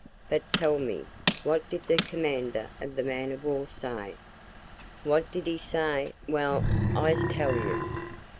But, tell me, what did the commander of the man of war say?" "What did he say? Well, I's tell you.